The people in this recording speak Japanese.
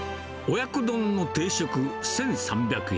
親子丼の定食１３００円。